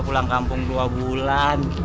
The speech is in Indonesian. pulang kampung dua bulan